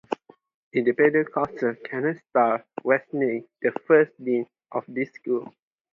Independent Counsel Kenneth Starr was named the first dean of this school.